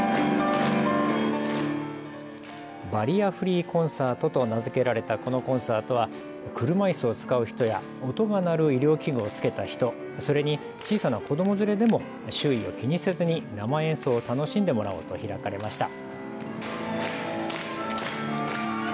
バリアフリーコンサートと名付けられたこのコンサートは車いすを使う人や音が鳴る医療器具をつけた人、それに小さな子ども連れでも周囲を気にせずに生演奏を楽しんでもらおうと開かれました。